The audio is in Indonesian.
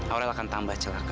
aurel akan tambah celaka